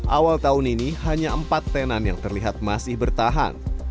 awal tahun ini hanya empat tenan yang terlihat masih bertahan